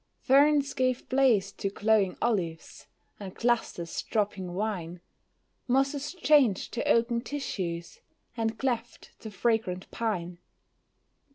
Ferns gave place to glowing olives, and clusters dropping wine, Mosses changed to oaken tissues, and cleft to fragrant pine.